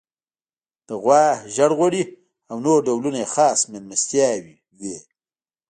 د غوا ژړ غوړي او نور ډولونه یې خاص میلمستیاوې وې.